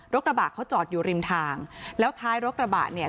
กระบะเขาจอดอยู่ริมทางแล้วท้ายรถกระบะเนี่ย